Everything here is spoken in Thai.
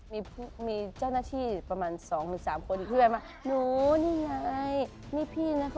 มีผู้มีเจ้านาทีประมาณสองหรือสามคนอีก